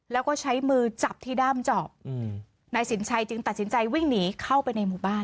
แล้วก็ใช้มือจับที่ด้ามจอบนายสินชัยจึงตัดสินใจวิ่งหนีเข้าไปในหมู่บ้าน